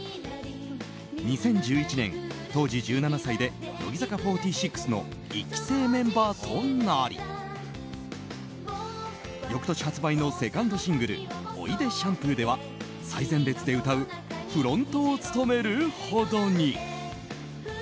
２０１１年、当時１７歳で乃木坂４６の１期生メンバーとなり翌年発売のセカンドシングル「おいでシャンプー」では最前列で歌うフロントを務めるほどに。